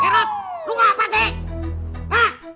rat lu ngapain sih